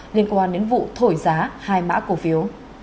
liên quan đến vụ thổi giá hai mã cổ phiếu